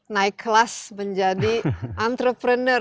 naik kelas menjadi entrepreneur